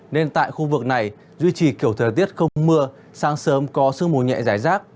nên tại khu vực này duy trì kiểu thời tiết không mưa sáng sớm có sương mù nhẹ giải rác